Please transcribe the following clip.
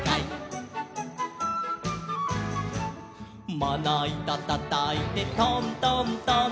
「まないたたたいてトントントン」